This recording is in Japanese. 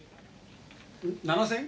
７，０００！？